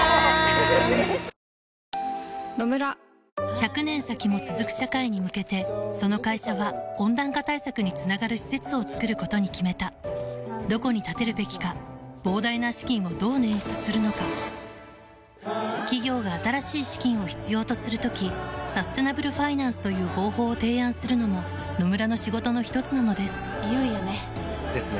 １００年先も続く社会に向けてその会社は温暖化対策につながる施設を作ることに決めたどこに建てるべきか膨大な資金をどう捻出するのか企業が新しい資金を必要とする時サステナブルファイナンスという方法を提案するのも野村の仕事のひとつなのですいよいよね。